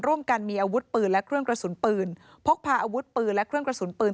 ร่วมกันมีอาวุธปืนและเครื่องกระสุนปืนพกพาอาวุธปืนและเครื่องกระสุนปืน